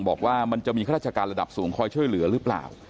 บอกว่ามันจะมีข้าราชการระดับสูงคอยช่วยเหลือหรือเปล่า